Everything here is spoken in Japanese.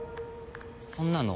そんなの。